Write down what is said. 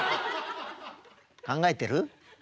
考えてる？